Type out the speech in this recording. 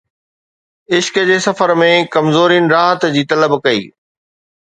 عشق جي سفر ۾، ڪمزورين راحت جي طلب ڪئي